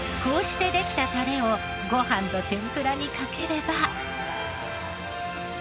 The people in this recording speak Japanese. こうしてできたタレをご飯と天ぷらにかければ。